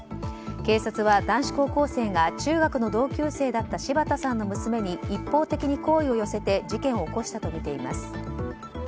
警察は、男子高校生が中学の同級生だった柴田さんの娘に一方的に好意を寄せて事件を起こしたとみています。